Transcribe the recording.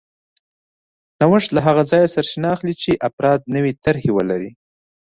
نوښت له هغه ځایه سرچینه اخلي چې افراد نوې طرحې ولري